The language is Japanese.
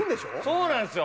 そうなんですよ。